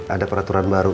ada peraturan baru